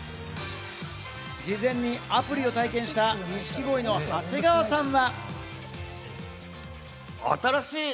事前にアプリを体験した錦鯉の長谷川さんは。